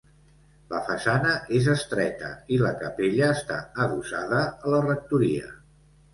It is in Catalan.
La façana és estreta i la capella està adossada a la rectoria.